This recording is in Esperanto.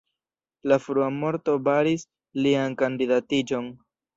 La frua morto baris lian kandidatiĝon.